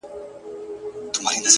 د ښار په جوارگرو باندي واوښتلې گراني ;